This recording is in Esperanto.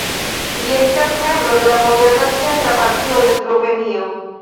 Li estas membro de la moderna centra partio de Slovenio.